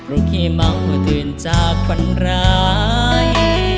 รุ่งขี้เมาเตือนจากฝันร้าย